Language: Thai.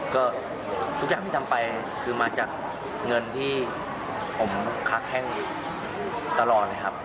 ก็ทุกอย่างที่ทำไปคือมาจากเงินที่ผมค้าแข้งตลอดเลยครับ